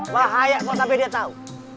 bahaya kalau dia tahu